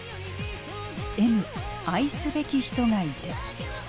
「Ｍ愛すべき人がいて」。